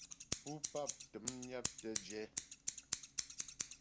Pú pap təm nyaptə jɛ.